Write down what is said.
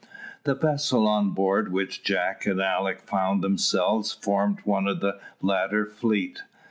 The vessel on board which Jack and Alick found themselves formed one of the latter fleet.